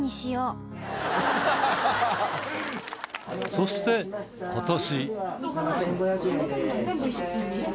そして今年